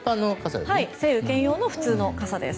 晴雨兼用傘の普通の傘です。